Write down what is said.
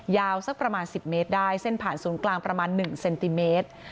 สักประมาณ๑๐เมตรได้เส้นผ่านศูนย์กลางประมาณ๑เซนติเมตร